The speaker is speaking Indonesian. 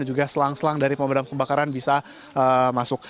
dan juga selang selang dari pemadam kebakaran bisa masuk